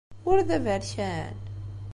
Ur d aberkan?